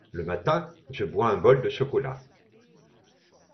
Le matin, je bois un bol de chocolat.